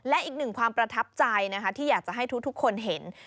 และอีกหนึ่งความประทับใจนะคะที่อยากจะให้ทุกคนเห็น